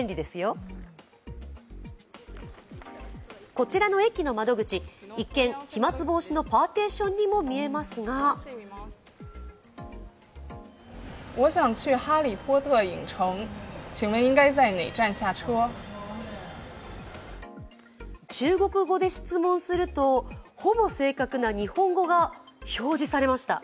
こちらの駅の窓口、一見、飛まつ防止のパーテーションにも見えますが中国で質問すると、ほぼ正確な日本語が表示されました。